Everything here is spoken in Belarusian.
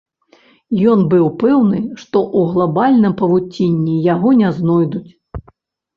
Ён быў пэўны, што ў глабальным павуцінні яго не знойдуць.